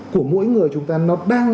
của mỗi người chúng ta nó đang